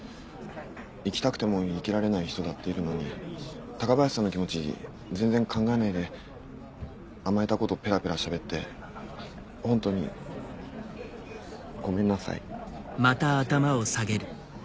生きたくても生きられない人だっているのに高林さんの気持ち全然考えないで甘えたことペラペラしゃべって本当にごめんなさい。